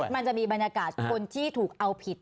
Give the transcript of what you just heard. มันจะมีบรรยากาศคนที่ถูกเอาผิด